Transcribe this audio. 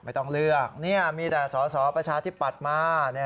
ไม่ต้องเลือกมีแต่สอสอประชาธิปัตย์มา